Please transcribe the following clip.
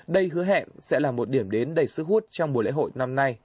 đây hứa hẹn sẽ là một điểm đến đầy sức hút trong mùa lễ hội năm nay